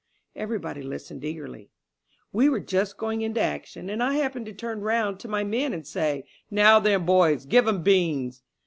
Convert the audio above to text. Everybody listened eagerly. "We were just going into action, and I happened to turn round to my men and say, 'Now, then, boys, give 'em beans!'